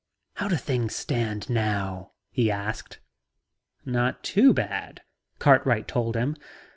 "How do things stand now?" He asked. "Not too bad," Cartwell told him.